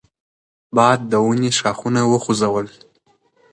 باد د ونې ښاخونه وخوځول.